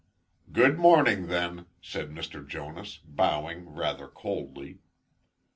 "Good morning, then," said Mr. Jonas, bowing rather coldly.